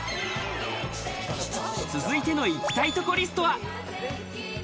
続いての行きたいとこリストは。